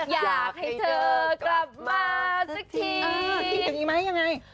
อยากให้เธอกลับมาสักที